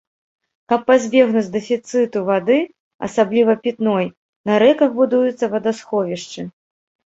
Каб пазбегнуць дэфіцыту вады, асабліва пітной, на рэках будуюцца вадасховішчы.